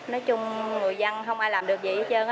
nói chung người dân không ai làm được gì hết trơn